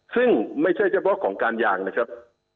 ซึ่งไม่ใช่เฉพาะของการยางนะครับ